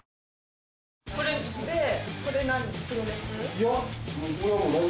いや。